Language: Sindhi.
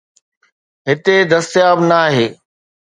هتي دستياب ناهي.